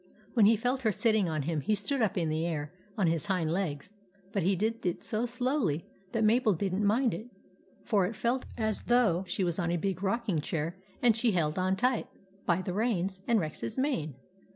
When he felt her sitting on him he stood up in the air on his hind legs; but he did it so slowly that Mabel 24 THE ADVENTURES OF MABEL did n't mind it, for it felt as though she was on a big rocking chair, and she held on tight by the reins and Rex's mane.